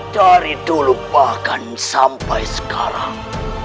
dari dulu bahkan sampai sekarang